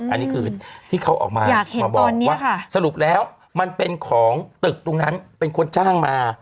อันนี้คือที่เขาออกมามาบอกว่าสรุปแล้วมันเป็นของตึกตรงนั้นเป็นคนจ้างมา